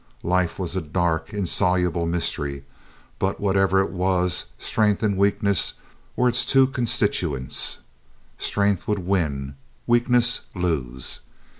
Life was a dark, insoluble mystery, but whatever it was, strength and weakness were its two constituents. Strength would win—weakness lose.